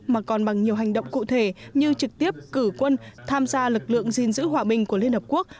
mà còn bằng nhiều hành động cụ thể như trực tiếp cử quân tham gia lực lượng gìn giữ hòa bình của liên hợp quốc